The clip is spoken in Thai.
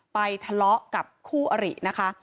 ทะเลาะกับคู่อรินะคะ